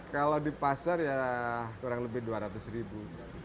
kalau di pasar ya kurang lebih dua ratus ribu